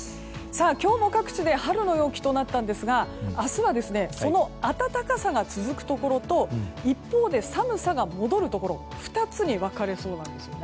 今日も各地で春の陽気となったんですが明日はその暖かさが続くところと一方で寒さが戻るところ２つに分かれそうなんです。